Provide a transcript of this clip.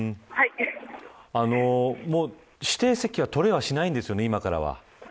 もう指定席は取れはしないんですよね、今からは。